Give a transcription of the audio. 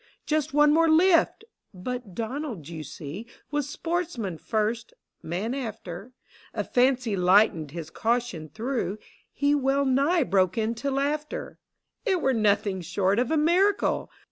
Just one more lift ! But Donald, you see, Was sportsman first, man after : A fancy lightened his caution through, — He wellnigh broke into laughter :" It were nothing short of a miracle